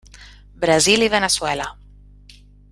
Brasil i Veneçuela.